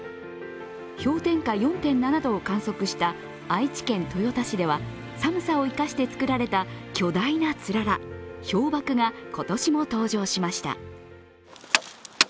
氷点下４．７度を観測した愛知県豊田市では寒さを生かして作られた巨大なつらら、氷ばくが今年も登場しました。